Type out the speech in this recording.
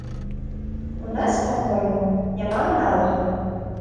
У нас, па-мойму, няма аналагаў.